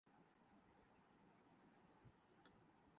کسی سائے کی طرح معلوم ہوتے تھے